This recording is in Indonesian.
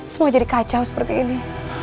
semua jadi kacau seperti ini